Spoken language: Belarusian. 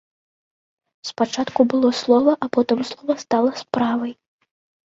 Спачатку было слова, а потым слова стала справай!